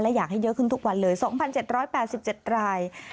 อยากให้เยอะขึ้นทุกวันเลย๒๗๘๗ราย